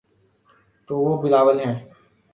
تو وہ بلاول ہیں۔